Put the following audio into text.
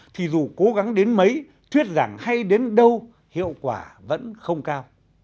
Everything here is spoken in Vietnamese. thì dù cố gắng đến mấy thuyết giảng hay đến đâu hiệu quả vẫn không cao